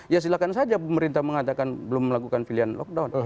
ya silahkan saja pemerintah mengatakan belum melakukan pilihan lockdown